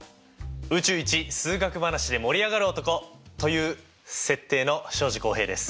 宇宙一数学話で盛り上がる男！という設定の庄司浩平です。